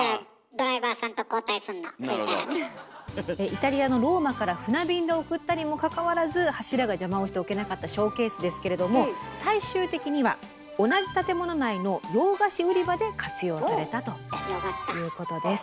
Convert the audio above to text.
イタリアのローマから船便で送ったにもかかわらず柱が邪魔をして置けなかったショーケースですけれども最終的には同じ建物内の洋菓子売り場で活用されたということです。